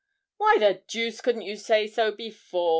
'Why the deuce couldn't you say so before?'